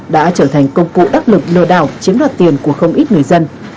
đã trở thành công cụ đắc lực lừa đảo chiếm đoạt tiền của không ít người dân